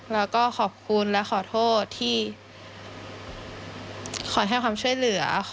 แล้วก็ขอบคุณและขอโทษที่ขอให้ความช่วยเหลือ